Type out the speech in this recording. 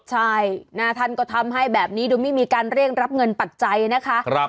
ใช่หน้าท่านก็ทำให้แบบนี้ดูไม่มีการเร่งรับเงินปัจจัยนะคะ